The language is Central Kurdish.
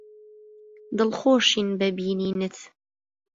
دڵخۆشین بە بینینت.